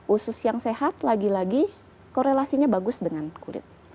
usus yang sehat lagi lagi korelasinya bagus dengan kulit